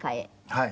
はい。